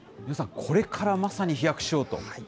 皆さん、これからまさに飛躍しようという。